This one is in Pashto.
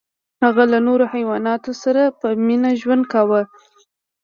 هغه له نورو حیواناتو سره په مینه ژوند کاوه.